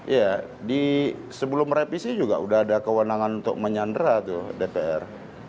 ya di sebelum revisi juga sudah ada kewenangan untuk menyandera dpr